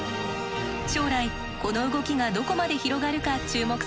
将来この動きがどこまで広がるか注目されます。